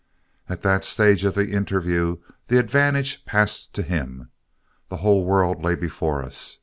At that stage of the interview the advantage passed to him. The whole world lay before us.